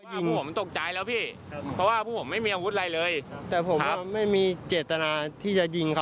ชอบขีบแล้วก็ยื้อกันนะพี่